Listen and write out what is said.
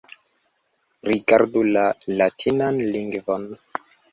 Rigardu la latinan lingvon.